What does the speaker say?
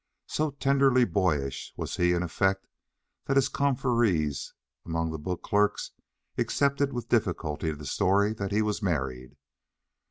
So tenderly boyish was he in effect that his confrères among the book clerks accepted with difficulty the story that he was married.